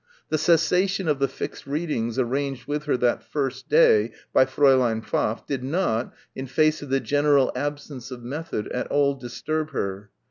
The cessation of the fixed readings arranged with her that first day by Fräulein Pfaff did not, in face of the general absence of method, at all disturb her.